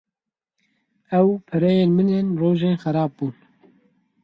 Ew pereyên min ên rojên xerab bûn.